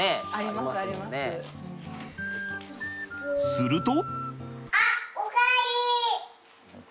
すると。